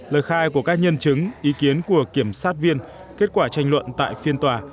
lời khai của các nhân chứng ý kiến của kiểm sát viên kết quả tranh luận tại phiên tòa